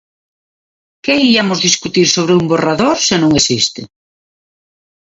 ¿Que íamos discutir sobre un borrador se non existe?